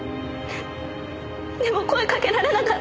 でも声かけられなかった！